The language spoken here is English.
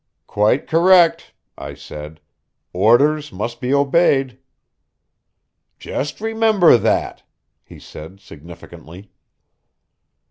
"Quite correct," I said. "Orders must be obeyed." "Just remember that," he said significantly.